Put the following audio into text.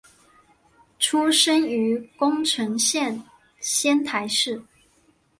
出身于宫城县仙台市。